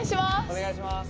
お願いします。